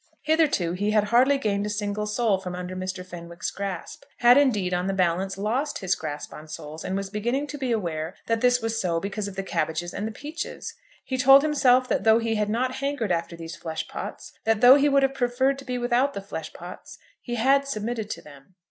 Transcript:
Hitherto he had hardly gained a single soul from under Mr. Fenwick's grasp, had indeed on the balance lost his grasp on souls, and was beginning to be aware that this was so because of the cabbages and the peaches. He told himself that though he had not hankered after these flesh pots, that though he would have preferred to be without the flesh pots, he had submitted to them.